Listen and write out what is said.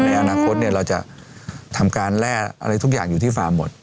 ในอนาคตเราจะทำการแร่อะไรทุกอย่างอยู่ที่ฟาร์มหมด